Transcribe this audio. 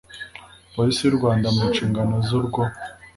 polisi y u rwanda mu nshingano ze urwo